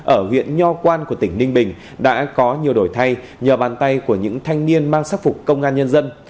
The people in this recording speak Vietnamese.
ở huyện nho quan của tỉnh ninh bình đã có nhiều đổi thay nhờ bàn tay của những thanh niên mang sắc phục công an nhân dân